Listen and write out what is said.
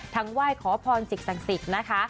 ทั้งว่ายขอพรศิกษ์สังสิทธิ์นะคะ